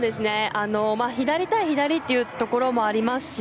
左対左というところもありますし